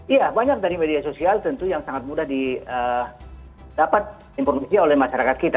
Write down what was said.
iya banyak dari media sosial tentu yang sangat mudah didapat informasi oleh masyarakat kita